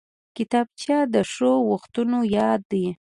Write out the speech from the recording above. کتابچه د ښو وختونو یاد دی